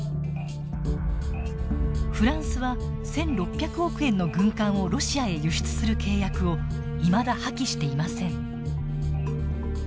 フランスは１，６００億円の軍艦をロシアへ輸出する契約をいまだ破棄していません。